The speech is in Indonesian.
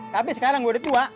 tapi sekarang udah tua